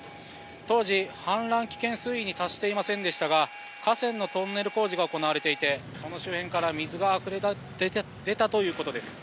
当時、氾濫危険水位に達していませんでしたが河川のトンネル工事が行われていて、その周辺から水があふれ出たということです。